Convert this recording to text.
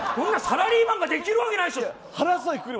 サラリーマンができるわけないでしょ。